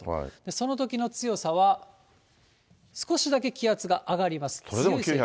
そのときの強さは少しだけ気圧が上がります。